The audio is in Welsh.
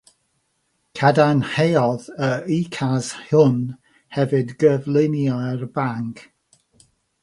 Cadarnhaodd yr ukaz hwn hefyd Gerfluniau'r banc.